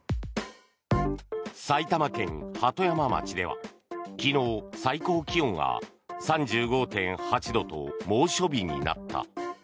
埼玉県鳩山町では昨日、最高気温が３５．８度と猛暑日になった。